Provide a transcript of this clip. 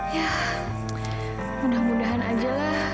ya mudah mudahan ajalah